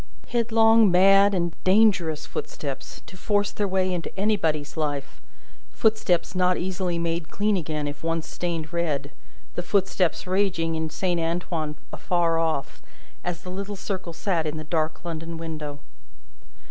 Headlong, mad, and dangerous footsteps to force their way into anybody's life, footsteps not easily made clean again if once stained red, the footsteps raging in Saint Antoine afar off, as the little circle sat in the dark London window.